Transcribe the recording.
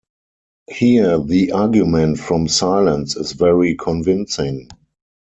Here the argument from silence is very convincing.